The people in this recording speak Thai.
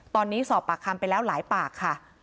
ตอนนี้สอบปากคำไปแล้วหลายปากค่ะ